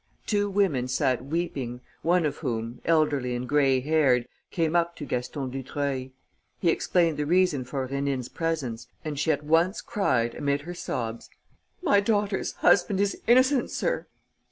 Two women sat weeping, one of whom, elderly and grey haired, came up to Gaston Dutreuil. He explained the reason for Rénine's presence and she at once cried, amid her sobs: "My daughter's husband is innocent, sir.